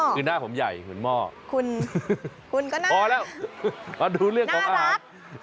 คือหน้าผมใหญ่เหมือนหม้อคุณคุณก็น่าพอแล้วมาดูเรื่องของอาหาร